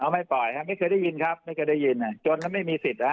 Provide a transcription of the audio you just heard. ไม่ปล่อยครับไม่เคยได้ยินครับไม่เคยได้ยินจนแล้วไม่มีสิทธิ์